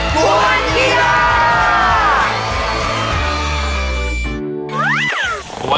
ปวดกิจา